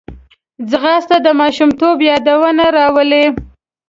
ځغاسته د ماشومتوب یادونه راولي